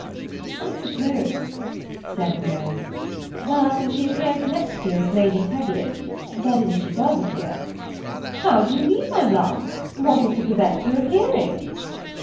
^I suppose," said Mary, ^that when she appears next year as Lady Teviot, — that is, if she does ap pear" ^^ How do you mean, my love ? What is to prevent her appearing?"